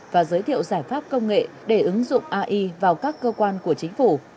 và giới thiệu giải pháp công nghệ để ứng dụng ai vào các cơ quan của chính phủ